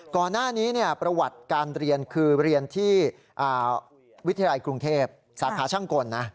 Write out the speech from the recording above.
ก่อนหน้านี้ประวัติการเรียนคือเรียนที่วิทยาลัยกรุงเทพสาขาช่างกลนะ